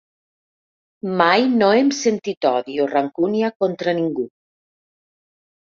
Mai no hem sentit odi o rancúnia contra ningú.